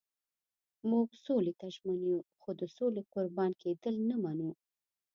موږ سولې ته ژمن یو خو د سولې قربان کېدل نه منو.